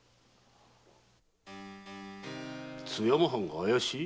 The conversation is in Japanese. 津山藩が怪しい？